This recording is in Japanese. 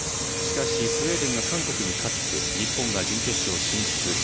しかし、スウェーデンが韓国に勝って日本が準決勝進出。